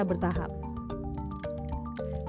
dan perusahaan tambang asing harus membangun smelter